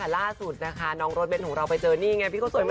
รอดเบสของเราไปนะ